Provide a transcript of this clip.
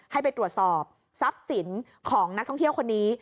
ให้ไปตรวจสอบทรัพย์สินของนักท่องเที่ยวคนนี้